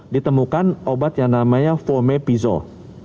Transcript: ditemukan obat yang namanya fomepizol